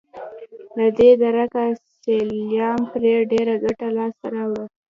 له دې درکه سلایم پرې ډېره ګټه لاسته راوړه.